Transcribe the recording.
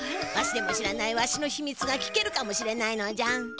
わしでも知らないわしのひみつが聞けるかもしれないのじゃ。